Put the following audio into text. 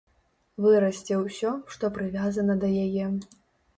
Вырасце ўсё, што прывязана да яе.